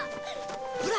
ほら！